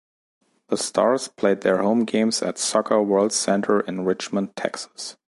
The Stars played their home games at Soccer World Center in Richmond, Texas.